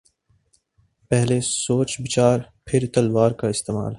پہلے سوچ بچار پھر تلوار کااستعمال۔